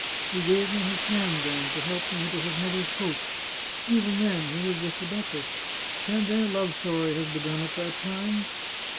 He gave me his hand then, to help me into his mother's coach. Even then he was with the duchess. Can their love story have begun at that time